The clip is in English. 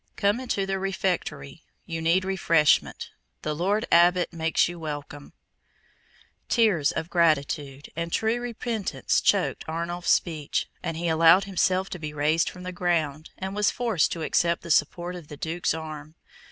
Come into the refectory: you need refreshment. The Lord Abbot makes you welcome." Tears of gratitude and true repentance choked Arnulf's speech, and he allowed himself to be raised from the ground, and was forced to accept the support of the Duke's arm.